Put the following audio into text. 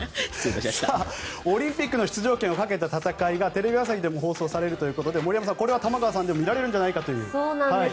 オリンピックの出場権をかけた戦いがテレビ朝日でも放送されるということで森山さん、これは玉川さんでも見られるんじゃないかということで。